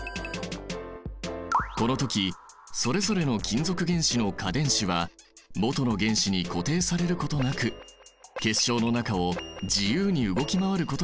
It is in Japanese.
この時それぞれの金属原子の価電子はもとの原子に固定されることなく結晶の中を自由に動き回ることができる。